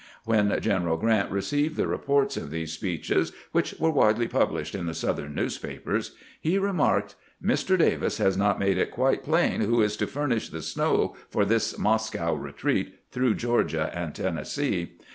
When General Grant received the reports of these speeches, which were widely published in the Southern newspapers, he remarked :" Mr. Davis has not made it quite plain who is to furnish the snow for this Moscow retreat through Georgia and Tennessee.